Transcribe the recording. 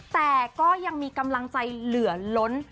แต่ก็ยังมีกำลังใจเหลือล้น